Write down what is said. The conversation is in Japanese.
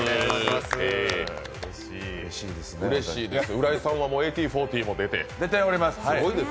浦井さんは「１８／４０」も出て。